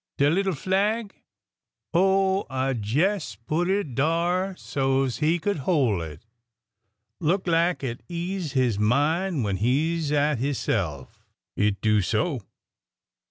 De little flag? Oh, I jes' put it dar so 's he could hoi' it. Look lak it ease his min' when he 's at hisself. It do so